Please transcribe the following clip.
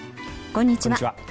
こんにちは。